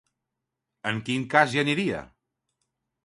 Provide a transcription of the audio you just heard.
En quin cas hi aniria?